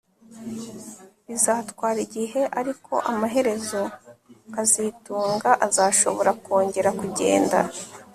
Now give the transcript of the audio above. Bizatwara igihe ariko amaherezo kazitunga azashobora kongera kugenda